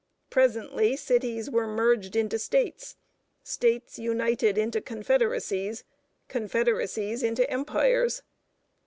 Presently cities were merged into states, states united into confederacies, confederacies into empires.